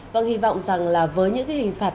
vâng hy vọng rằng là với những hình phạt